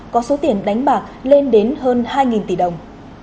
có số tiền đánh bạc lên đến hơn hai tỷ đồng